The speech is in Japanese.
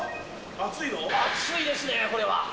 熱いですね、これは。